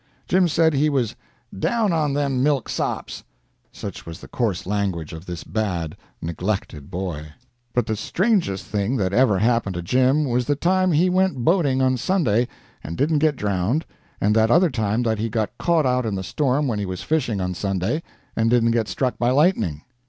Jim said he was "down on them milksops." Such was the coarse language of this bad, neglected boy. But the strangest thing that ever happened to Jim was the time he went boating on Sunday, and didn't get drowned, and that other time that he got caught out in the storm when he was fishing on Sunday, and didn't get struck by lightning.